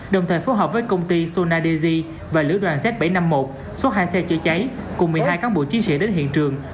đồng thời phù hợp với công ty sonadeji và lữ đoàn z bảy trăm năm mươi một xuất hai xe chữa cháy cùng một mươi hai cán bộ chiến sĩ đến hiện trường